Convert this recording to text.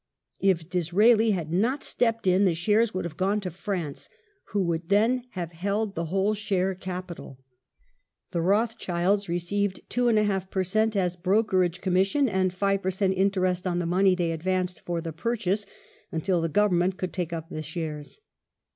If Disraeli had not stepped in the shares would have gone to France, who would then have held the whole share capital. The Rothschilds received 2^ per cent as brokerage commission and 5 per cent, interest on the money they advanced for the purchase, until the Government could take up the shares.